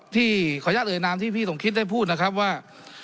ที่ขออนุญาตเอ่ยนามที่พี่สมคิดได้พูดนะครับว่า